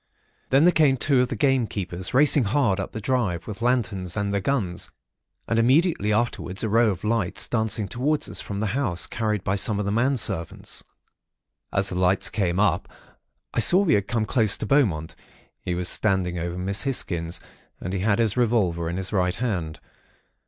Then there came two of the gamekeepers, racing hard up the drive, with lanterns and their guns; and immediately afterwards a row of lights dancing towards us from the house, carried by some of the men servants. "As the lights came up, I saw we had come close to Beaumont. He was standing over Miss Hisgins, and he had his revolver in his right hand.